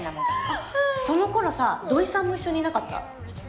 その頃さ土井さんも一緒にいなかった？